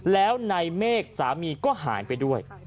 แล้วในเมฆสามีก็หายไปด้วย